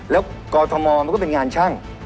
แล้วกอทมมันก็เป็นงานช่าง